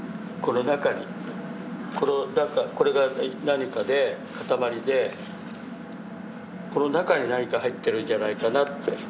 これが何かで塊でこの中に何か入ってるんじゃないかなって。